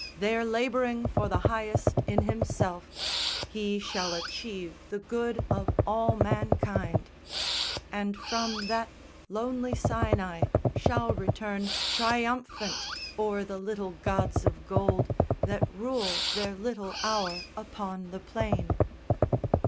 There labouring for the Highest in himself He shall achieve the good of all mankind; And from that lonely Sinai shall return Triumphant o'er the little gods of gold That rule their little hour upon the plain.